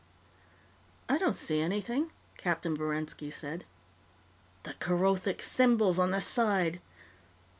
"I don't see anything," Captain Verenski said. "The Kerothic symbols on the side.